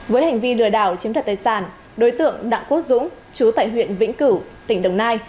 với hành vi lừa đảo chiếm thật tài sản đối tượng đặng quốc dũng chú tại huyện vĩnh cửu tỉnh đồng nai